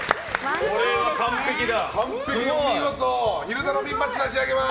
これは完璧だ。